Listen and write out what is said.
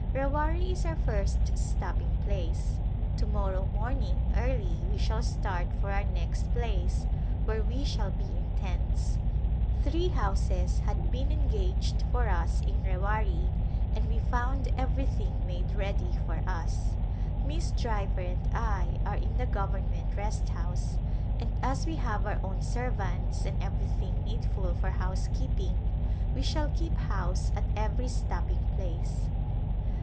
Rewari is our first stopping place ; to morrow morn ing early we shall start for our next place where we shall be in tents. Three houses had been engaged for [^ 7Z^ A Glimpse of India us in Rewari and we found everything made ready for us. Miss Driver and I are in the Government Rest House, and as we have our own servants and every thing needful for housekeeping we shall keep house at every stopping place.